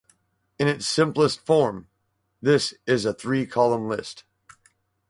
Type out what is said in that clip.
In its simplest form, this is a three-column list.